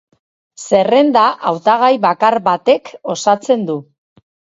Zerrenda hautagai bakar batek osatzen du.